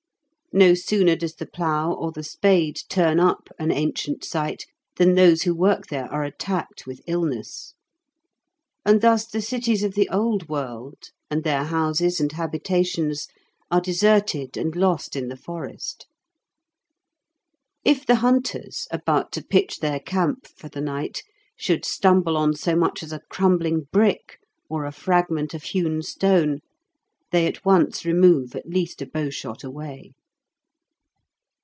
No sooner does the plough or the spade turn up an ancient site than those who work there are attacked with illness. And thus the cities of the old world, and their houses and habitations, are deserted and lost in the forest. If the hunters, about to pitch their camp for the night, should stumble on so much as a crumbling brick or a fragment of hewn stone, they at once remove at least a bowshot away.